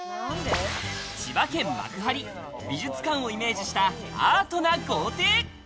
千葉県幕張、美術館をイメージしたアートな豪邸。